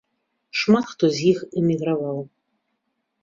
Шмат хто з іх эміграваў.